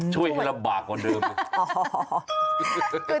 ช่วยให้ระบากกว่าเดิม